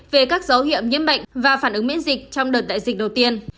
về các dấu hiệu nhiễm bệnh và phản ứng miễn dịch trong đợt đại dịch đầu tiên